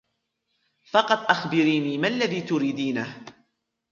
فقط أخبريني ما الذي تريدينهُ.